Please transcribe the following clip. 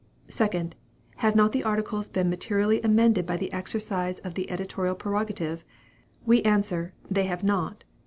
"2d. Have not the articles been materially amended by the exercise of the editorial prerogative? We answer, THEY HAVE NOT.